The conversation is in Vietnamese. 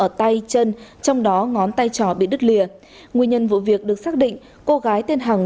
ở tay chân trong đó ngón tay trò bị đứt lìa nguyên nhân vụ việc được xác định cô gái tên hằng